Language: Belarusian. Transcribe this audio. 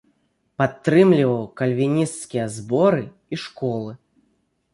Падтрымліваў кальвінісцкія зборы і школы.